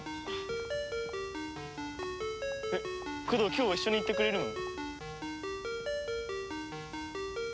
今日は一緒に行ってくれるの？